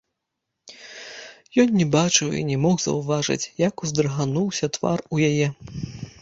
Ён не бачыў і не мог заўважыць, як уздрыгануўся твар у яе.